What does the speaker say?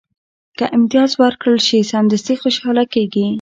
که امتیاز ورکړل شي، سمدستي خوشاله کېږي.